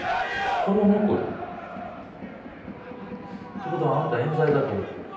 心残り？ってことはあんた冤罪だと思ってる？